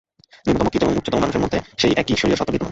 নিম্নতম কীট এবং উচ্চতম মানুষের মধ্যে সেই একই ঈশ্বরীয় সত্তা বিদ্যমান।